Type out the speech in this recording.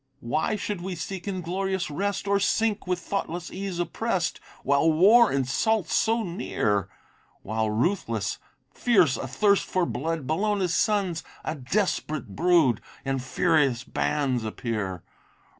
Why should we seek inglorious rest, Or sink, with thoughtless ease oppress'd, While war insults so near? While ruthless, fierce, athirst for blood, Bellona's sons, a desperate brood! In furious bands appear!